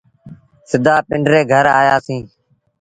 سڌآ پنڊري گھر آيآسيٚݩ۔